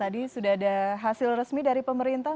tadi sudah ada hasil resmi dari pemerintah